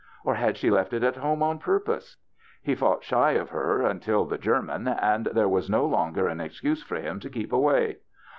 Or had she left it at home on purpose? He fought shy of her until the German and there was no longer an excuse for him to keep away.